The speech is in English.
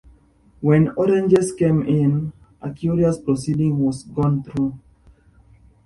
When oranges came in, a curious proceeding was gone through.